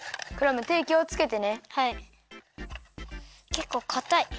けっこうかたい。